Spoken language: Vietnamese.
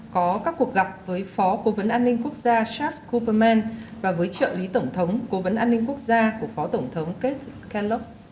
có các cuộc gặp với phó cố vấn an ninh quốc gia charles kuperman và với trợ lý tổng thống cố vấn an ninh quốc gia của phó tổng thống ketalog